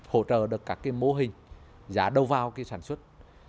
hỗ trợ được các cái mô hình giá đầu vào cái sản xuất